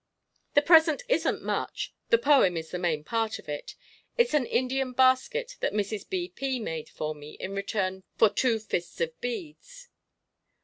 "The present isn't much the poem is the main part of it. It's an Indian basket that Mrs. B. P. made for me in return for two fists of beads."